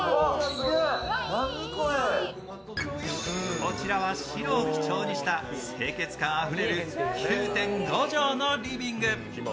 こちらは白を基調にした清潔感あふれる９．５畳のリビング。